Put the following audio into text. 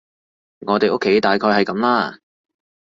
我哋屋企大概係噉啦